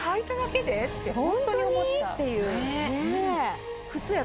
ホントに？っていう。